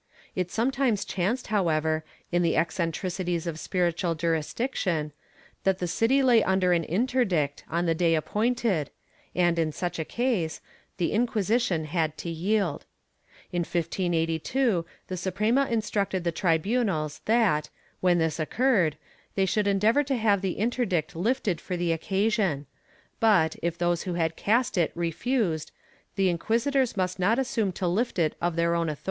It sometimes chanced, however, in the eccentricities of spiritual juris diction, that the city lay under an interdict on the day appointed and, in such case, the Inquisition had to yield. In 1582 the Suprema instructed the tribunals that, when this occurred, they should endeavor to have the interdict lifted for the occasion, but, if those who had cast it refused, the inquisitors must not assume * Archivo gen. de la C.